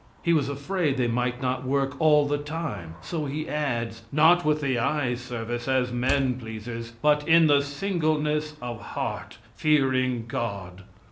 He was afraid they might not work all the time, so he adds: "Not with the eye service, as men pleasers, but in the singleness of heart fearing God."